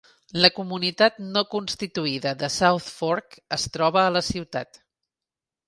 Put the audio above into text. La comunitat no constituïda de South Fork es troba a la ciutat.